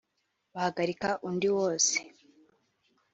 bihagarika undi wose